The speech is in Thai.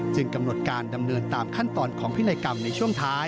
กำหนดการดำเนินตามขั้นตอนของพินัยกรรมในช่วงท้าย